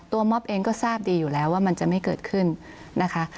มอบเองก็ทราบดีอยู่แล้วว่ามันจะไม่เกิดขึ้นนะคะ